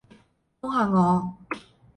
幫下我